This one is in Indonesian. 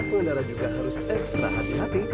pengendara juga harus ekstra hati hati